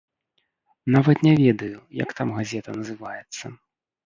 Нават не ведаю, як там газета называецца.